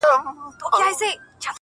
څه به وايي دا مخلوق او عالمونه؟-